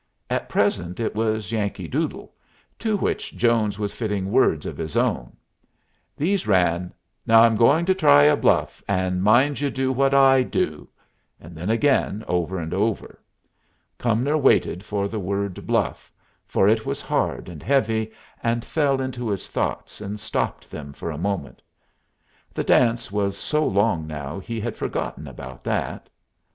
At present it was "Yankee Doodle," to which Jones was fitting words of his own. These ran, "Now I'm going to try a bluff. And mind you do what I do"; and then again, over and over. Cumnor waited for the word "bluff"; for it was hard and heavy, and fell into his thoughts, and stopped them for a moment. The dance was so long now he had forgotten about that.